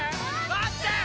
待ってー！